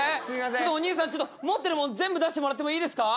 ちょっとおにいさん持ってるもの全部出してもらってもいいですか？